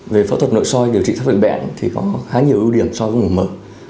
về phẫu thuật nội soi điều trị thoát vị bệnh thì có khá nhiều ưu điểm so với mổ mở